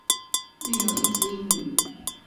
育有一子一女。